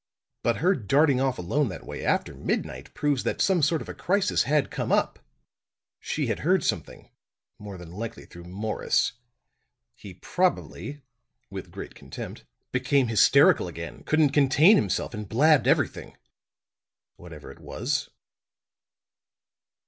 But her darting off alone that way after midnight proves that some sort of a crisis had come up. She had heard something more than likely through Morris. He probably," with great contempt, "became hysterical again, couldn't contain himself and blabbed everything whatever it was."